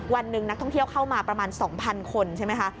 วันหนึ่งนักท่องเที่ยวเข้ามาประมาณ๒๐๐คนใช่ไหมคะ